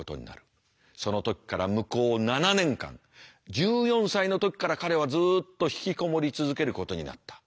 その時から向こう７年間１４歳の時から彼はずっと引きこもり続けることになった。